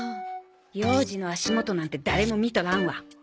幼児の足元なんて誰も見とらんわ！